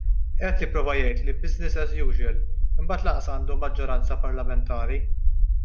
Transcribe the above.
Qed jipprova jgħid li business as usual imbagħad lanqas għandu l-maġġoranza parlamentari.